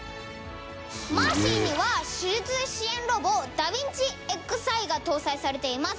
「マーシーには手術支援ロボダビンチＸｉが搭載されています」